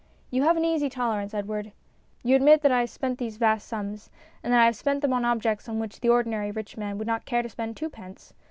You have an easy tolerance, Edward. You admit that I have spent these vast sums, and that I have spent them on objects on which the ordinary rich man would not care to spend twopence.